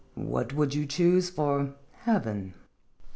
What would you choose for heaven?"